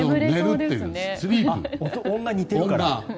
音が似てるから。